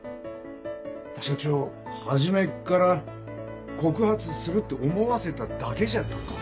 社長初めっから告発するって思わせただけじゃったんか？